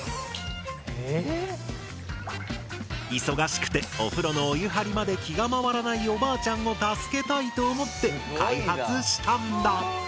忙しくてお風呂のお湯はりまで気が回らないおばあちゃんを助けたいと思って開発したんだ。